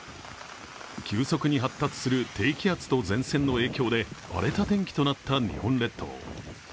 急速に発達する低気圧と前線の影響で荒れた天気となった日本列島。